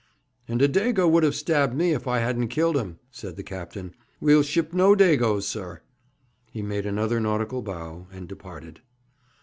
'And a Dago would have stabbed me if I hadn't killed him,' said the captain. 'We'll ship no Dagos, sir.' He made another nautical bow, and departed.